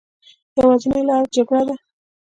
يوازينۍ لاره جګړه ده